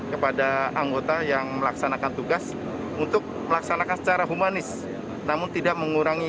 kepada anggota yang melaksanakan tugas untuk melaksanakan secara humanis namun tidak mengurangi